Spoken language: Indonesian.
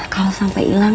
kalau sampai hilang